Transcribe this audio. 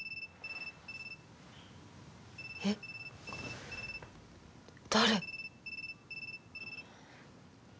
えっ？誰？